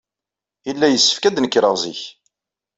Yella yessefk ad nekreɣ zik.